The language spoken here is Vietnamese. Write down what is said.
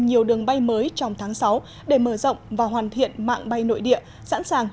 nhiều đường bay mới trong tháng sáu để mở rộng và hoàn thiện mạng bay nội địa sẵn sàng